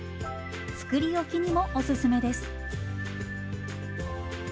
作り置きにもおすすめです。